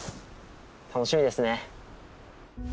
楽しみですね。